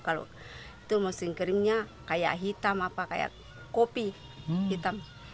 kalau musim keringnya kayak hitam kayak kopi hitam